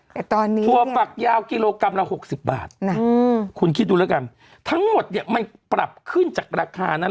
แต่ตอนนี้ถั่วฝักยาวกิโลกรัมละ๖๐บาทคุณคิดดูแล้วกันทั้งหมดเนี่ยมันปรับขึ้นจากราคานั้น